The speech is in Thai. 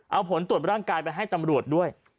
เอาผลตรวจร่างกายไปให้ตำรวจด้วย